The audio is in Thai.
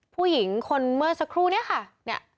ผู้หญิงคนเมื่อสักครู่เนี่ยค่ะ